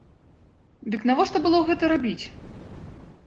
Дык навошта было гэта рабіць?